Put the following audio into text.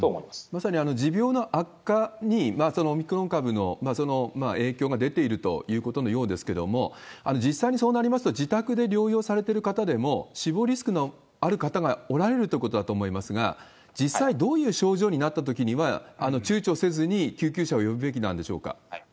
まさに持病の悪化に、オミクロン株の影響が出ているということのようですけれども、実際にそうなりますと、自宅で療養されてる方でも、死亡リスクのある方がおられるということだと思いますが、実際、どういう症状になったときには、ちゅうちょせずに救急車を呼ぶべきなんでしょうか？